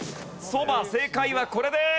正解はこれです。